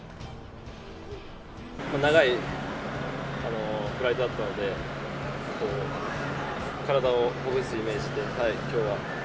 長いフライトだったので体をほぐすイメージで今日は。